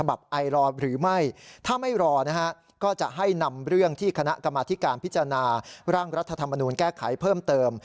หรือไม่ถ้าไม่รอนะฮะก็จะให้นำเรื่องที่คณะกรรมธิการพิจารณาร่างรัฐธรรมนูลแก้ไขเพิ่มเติม